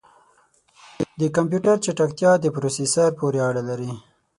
د کمپیوټر چټکتیا د پروسیسر پورې اړه لري.